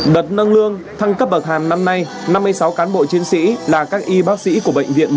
đợt nâng lương thăng cấp bậc hàm năm nay năm mươi sáu cán bộ chiến sĩ là các y bác sĩ của bệnh viện một mươi chín tháng tám